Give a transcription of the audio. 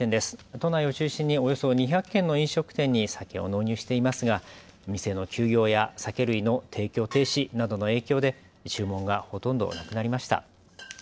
都内を中心におよそ２００軒の飲食店に酒を納入していますが店の休業や酒類の提供停止などの影響で注文がほとんどなくなりました。